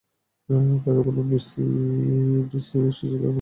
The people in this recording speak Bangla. তাকে বলুন ডিসি এসেছে আর উনাকে নিয়ে আই।